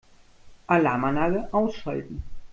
Alarmanlage ausschalten.